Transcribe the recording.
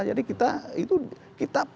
jadi kita itu kita